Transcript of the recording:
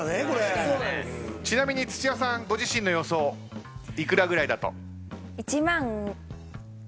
ちなみに土屋さんご自身の予想幾らぐらいだと？